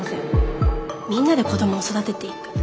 みんなで子供を育てていく。